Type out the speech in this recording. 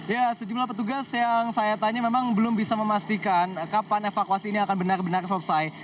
ya sejumlah petugas yang saya tanya memang belum bisa memastikan kapan evakuasi ini akan benar benar selesai